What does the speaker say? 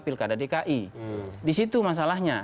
pilkada dki di situ masalahnya